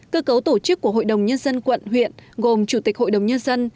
cơ cấu tổ chức của hội đồng nhân dân quận huyện gồm chủ tịch hội đồng nhân dân